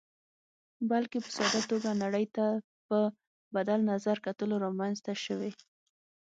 بلکې په ساده توګه نړۍ ته په بدل نظر کتلو رامنځته شوې.